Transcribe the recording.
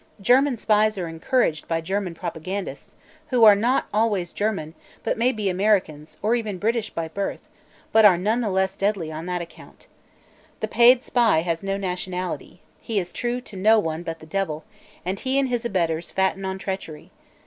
German spies are encouraged by German propagandists, who are not always German but may be Americans, or even British by birth, but are none the less deadly on that account. The paid spy has no nationality; he is true to no one but the devil, and he and his abettors fatten on treachery.